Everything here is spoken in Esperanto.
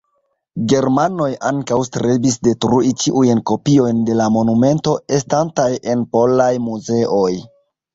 Germanoj ankaŭ strebis detrui ĉiujn kopiojn de la monumento estantaj en polaj muzeoj.